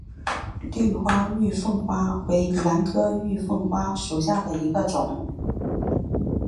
绿花玉凤花为兰科玉凤花属下的一个种。